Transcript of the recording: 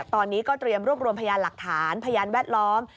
ตอนนี้ก็เตรียมรวบรวมพยานหลักฐานพยานแวดล้อม